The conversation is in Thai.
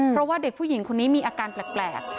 เพราะว่าเด็กผู้หญิงคนนี้มีอาการแปลก